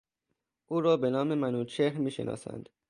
او را به نام منوچهر میشناسند.